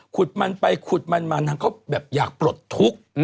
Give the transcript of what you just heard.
ขุดมันไปขุดมันมานางก็แบบอยากปลดทุกข์